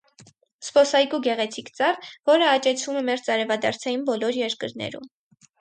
Զբոսայգու գեղեցիկ ծառ, որը աճեցվում է մերձարևադարձային բոլոր երկրներում։